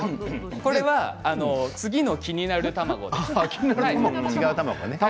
これは次の「キニナル」卵です。